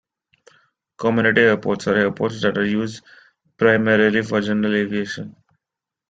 Community airports are airports that are used primarily for general aviation.